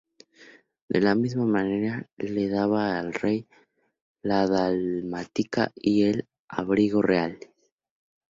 De la misma manera, le daba al Rey la dalmática y el abrigo reales.